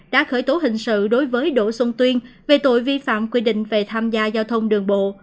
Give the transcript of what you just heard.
đã khởi tố hình sự đối với đỗ xuân tuyên về tội vi phạm quy định về tham gia giao thông đường bộ